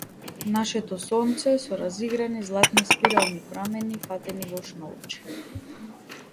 Нашето сонце, со разиграни златни спирални прамени, фатени во шнолче.